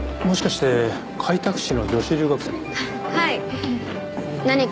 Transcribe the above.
もしかして開拓使の女子留学生？